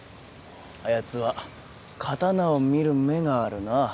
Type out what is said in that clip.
あやつは刀を見る目があるな。